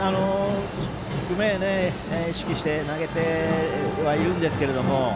低めを意識して投げてはいるんですけれども。